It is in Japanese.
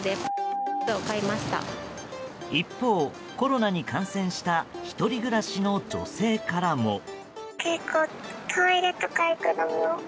一方、コロナに感染した１人暮らしの女性からも。